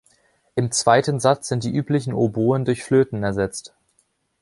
Im zweiten Satz sind die üblichen Oboen durch Flöten ersetzt.